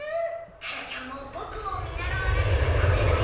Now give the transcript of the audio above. タラちゃんも僕を見習わなくちゃ駄目だよ。